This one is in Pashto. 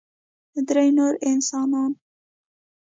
درې نور انسانان